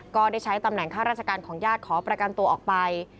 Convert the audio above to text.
ก็ได้ใช้ตำแหน่งข้าราชการของญาติขอประกันตัวออกไป